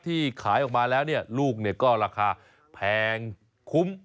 ที่ขายออกมาแล้วลูกก็ราคาแพงคุ้ม